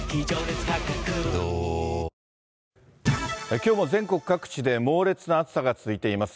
きょうも全国各地で猛烈な暑さが続いています。